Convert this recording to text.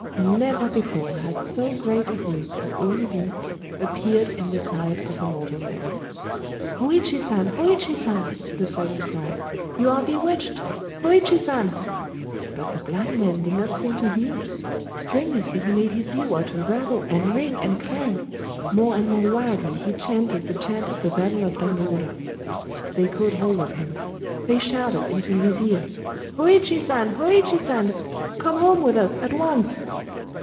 Never before had so great a host of Oni bi appeared in the sight of mortal man... "Hōïchi San!—Hōïchi San!" the servants cried,—"you are bewitched!... Hōïchi San!" But the blind man did not seem to hear. Strenuously he made his biwa to rattle and ring and clang;—more and more wildly he chanted the chant of the battle of Dan no ura. They caught hold of him;—they shouted into his ear,— "Hōïchi San!—Hōïchi San!—come home with us at once!"